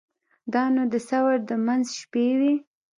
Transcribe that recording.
دا نو د ثور د منځ شپې وې.